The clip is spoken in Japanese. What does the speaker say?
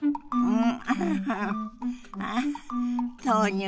うん。